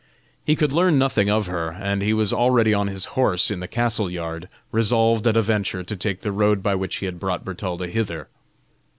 He could learn nothing of her, and he was already on his horse in the castle yard, resolved at a venture to take the road by which he had brought Bertalda hither.